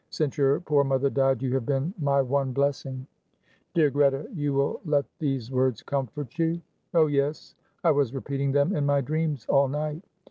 'Since your poor mother died you have been my one blessing.'" "Dear Greta, you will let these words comfort you?" "Oh, yes; I was repeating them in my dreams all night.